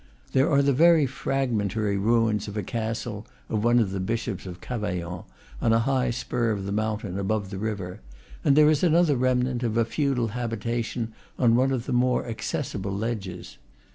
There are the very fragmentary ruins of a castle (of one of the bishops of Cavaillon) on a high spur of the moun tain, above the river; and there is another remnant of a feudal habitation on one of the more accessible ledges.